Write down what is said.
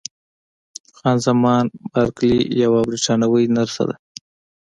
خان زمان بارکلي یوه بریتانوۍ نرسه ده.